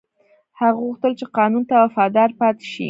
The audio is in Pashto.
هغه غوښتل چې قانون ته وفادار پاتې شي.